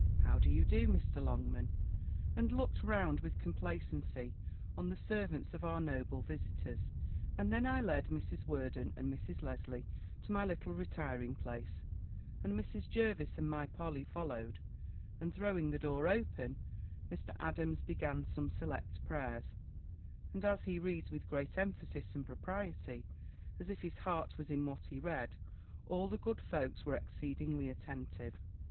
How do you do, Mr. Longman?" and looked round with complacency on the servants of our noble visitors. And then I led Mrs. Worden and Mrs. Lesley to my little retiring place, and Mrs. Jervis and my Polly followed; and throwing the door open, Mr. Adams began some select prayers; and as he reads with great emphasis and propriety, as if his heart was in what he read, all the good folks were exceedingly attentive.